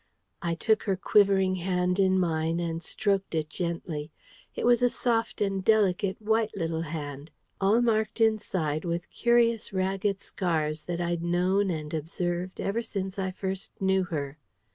I took her quivering hand in mine and stroked it gently. It was a soft and delicate white little hand, all marked inside with curious ragged scars that I'd known and observed ever since I first knew her.